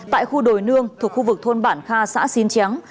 tại khu đồi nương thuộc khu vực thôn bản kha xã xín tráng